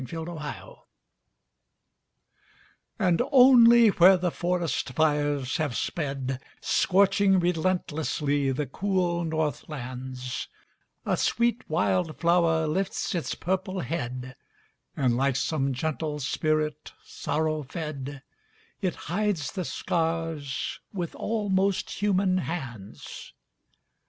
FIRE FLOWERS And only where the forest fires have sped, Scorching relentlessly the cool north lands, A sweet wild flower lifts its purple head, And, like some gentle spirit sorrow fed, It hides the scars with almost human hands.